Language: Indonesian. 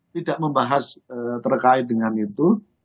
tidak membahas terkait dengan itu